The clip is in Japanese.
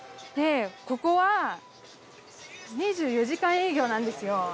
ここは２４時間営業なんですよ。